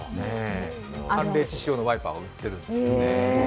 寒冷地仕様のワイパーが売ってるんですよね。